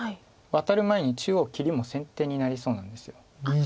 ワタる前に中央切りも先手になりそうなんです。